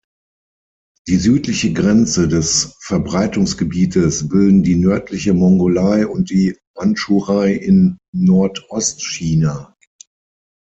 Die südliche Grenze des Verbreitungsgebietes bilden die nördliche Mongolei und die Mandschurei in Nordostchina.